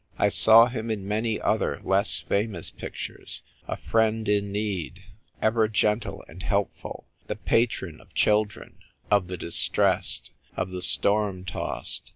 I saw him in many other less famous pictures, a friend in need, ever gentle and helpful, the patron of children, of the distressed, of the storm tossed.